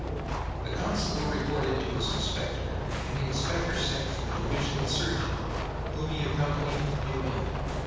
"The constable reported to his inspector and the inspector sent for the divisional surgeon, whom he accompanied to New Inn.